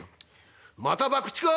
「また博打か？